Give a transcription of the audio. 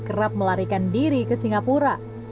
kerap melarikan diri ke singapura